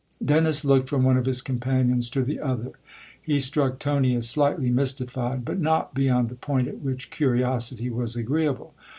Dennis looked from one of his companions to the other; he struck Tony as slightly mystified, but not beyond the point at which curiosity was agreeable.